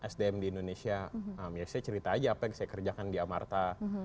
sdm di indonesia ya saya cerita aja apa yang saya kerjakan di amarta